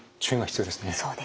そうですね。